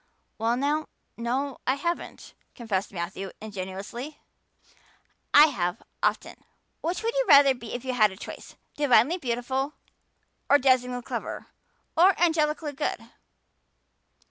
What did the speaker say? "Well now, no, I haven't," confessed Matthew ingenuously. "I have, often. Which would you rather be if you had the choice divinely beautiful or dazzlingly clever or angelically good?"